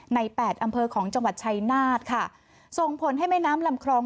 แปดอำเภอของจังหวัดชัยนาธค่ะส่งผลให้แม่น้ำลำคลอง